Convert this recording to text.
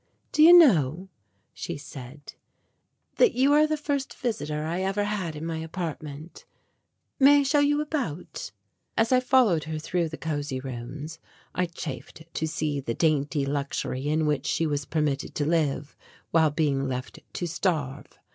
"Do you know," she said, "that you are the first visitor I ever had in my apartment? May I show you about?" As I followed her through the cosy rooms, I chafed to see the dainty luxury in which she was permitted to live while being left to starve.